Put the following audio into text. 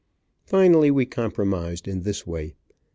Finally we compromised, in this way.